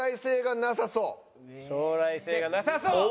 「将来性がなさそう」